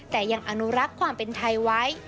แต่ยังอนุรักษ์ความเป็นไทยไว้